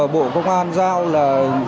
bộ công an giao là